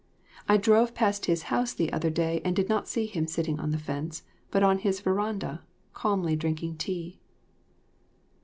I drove past his house the other day and did not see him sitting on the fence, but on his veranda, calmly drinking tea.